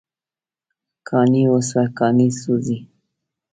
کاڼي وسوه، کاڼي سوزی